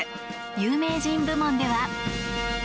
有名人部門では。